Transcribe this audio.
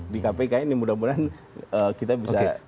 di kpk ini mudah mudahan kita bisa